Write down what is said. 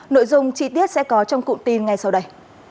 nội dung chi tiết sẽ có trong cụm tin ngay sau đây